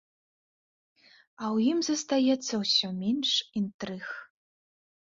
А ў ім застаецца ўсё менш інтрыг.